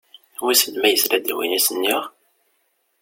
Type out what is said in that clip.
Wissen ma yesla-d i wayen i as-nniɣ?